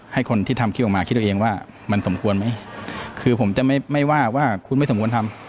ให้คนที่ทำคิดออกมาคิดเอาเองว่ามันสมควรไหมคือผมจะไม่ไม่ว่าว่าคุณไม่สมควรทำ